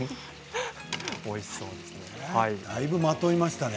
おいしそうですね。